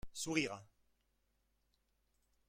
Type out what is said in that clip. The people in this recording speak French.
Sourires.